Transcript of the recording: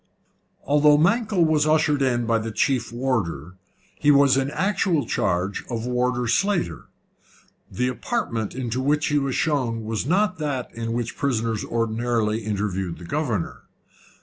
Although Mankell was ushered in by the chief warder, he was in actual charge of Warder Slater. The apartment into which he was shown was not that in which prisoners ordinarily interviewed the governor.